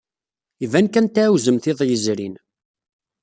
Iban kan tɛawzemt iḍ yezrin.